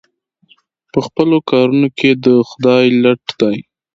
په خپلو کارونو کې د خدای لټ دی.